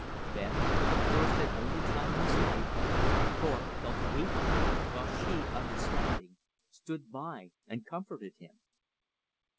Then for the first and only time in his life Thorpe fell to weeping, while she, understanding, stood by and comforted him.